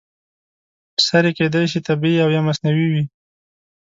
سرې کیدای شي طبیعي او یا مصنوعي وي.